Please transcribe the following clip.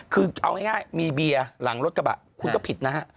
คือเอาง่ายมีเบียร์หลังรถกระบะคุณก็ผิดนะฮะ